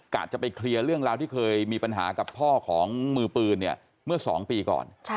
จะไปเคลียร์เรื่องราวที่เคยมีปัญหากับพ่อของมือปืนเนี่ยเมื่อ๒ปีก่อน